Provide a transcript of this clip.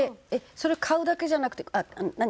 それ買うだけじゃなくて何？